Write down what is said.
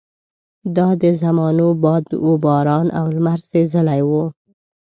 دا د زمانو باد وباران او لمر سېزلي وو.